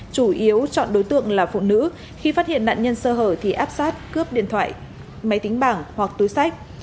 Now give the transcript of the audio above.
chủ yếu chọn đối tượng là phụ nữ khi phát hiện nạn nhân sơ hở thì áp sát cướp điện thoại máy tính bảng hoặc túi sách